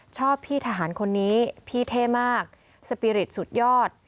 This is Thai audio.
พี่ทหารคนนี้พี่เท่มากสปีริตสุดยอด